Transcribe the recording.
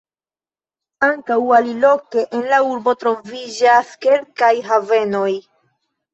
Ankaŭ aliloke en la urbo troviĝas kelkaj havenoj.